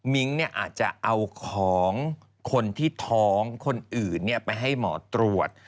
มิ้งอาจจะเอาของคนที่ท้องคนอื่นไปให้หมอตรวจ